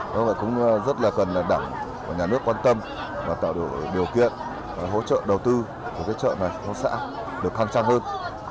nó cũng rất là cần là đảm của nhà nước quan tâm và tạo được điều kiện hỗ trợ đầu tư cho cái chợ này nó sẽ được khăng trăng hơn